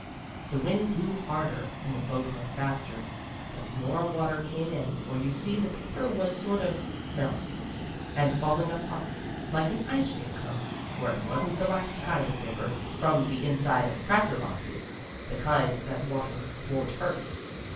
The wind blew harder, and the boat went faster, but more water came in, for you see the paper was sort of melting, and falling apart, like an ice cream cone, for it wasn't the waxed kind of paper from the inside of cracker boxes the kind that water won't hurt.